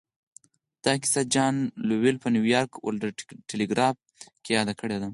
دا کيسه جان لويل په نيويارک ورلډ ټيليګراف کې ياده کړې ده.